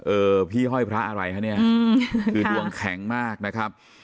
เออพี่ห้อยพระอะไรคะเนี่ยคือดวงแข็งมากนะครับ